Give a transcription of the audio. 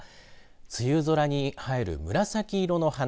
梅雨空に映える紫色の花。